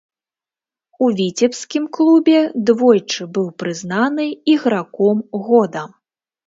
У віцебскім клубе двойчы быў прызнаны іграком года.